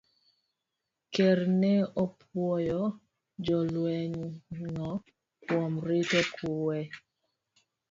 Ker ne opwoyo jolwenygo kuom rito kuwe